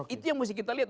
itu yang mesti kita lihat